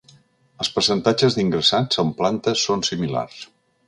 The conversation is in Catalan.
Els percentatges d’ingressats en planta són similars.